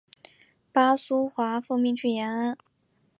巴苏华奉命去延安。